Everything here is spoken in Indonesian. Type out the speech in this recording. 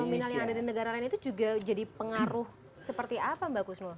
oke dengan nominalnya ada di negara lain itu juga jadi pengaruh seperti apa mbak kusmo